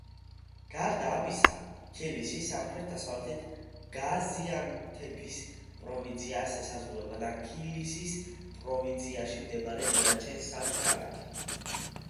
გარდა ამისა, ქილისი სამხრეთ-დასავლეთით გაზიანთეფის პროვინციას ესაზღვრება და ქილისის პროვინციაში მდებარე დანარჩენ სამ ქალაქი.